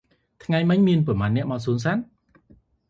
ថ្ងៃមិញ មានប៉ុន្មាននាក់មកសួនសត្វ?